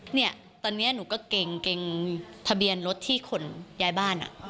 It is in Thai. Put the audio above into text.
เนี่ยตอนนี้หนูก็เก่งเก่งทะเบียนรถที่ขนย้ายบ้านอ่ะ